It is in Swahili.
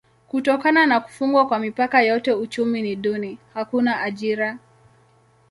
Kutokana na kufungwa kwa mipaka yote uchumi ni duni: hakuna ajira.